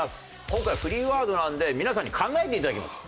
今回フリーワードなので皆さんに考えて頂きます。